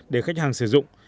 để khách hàng sử dụng